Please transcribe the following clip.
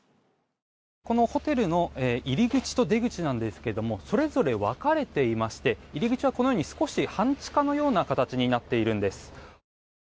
このホテルの入り口と出口なんですけどもそれぞれ分かれていまして入り口はこのように少し半地下のような形になっているんです。